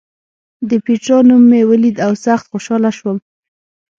د پېټرا نوم مې ولید او سخت خوشاله شوم.